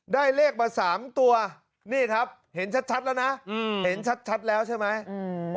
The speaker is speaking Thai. ได้เลขมา๓ตัวนี่ครับเห็นชัดแล้วนะเห็นชัดแล้วใช่ไหม